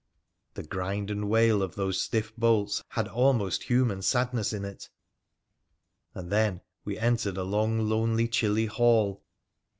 The grind and wail of those stiff bolts had almost human sadness in it, and then we entered a long, lonely chilly hall.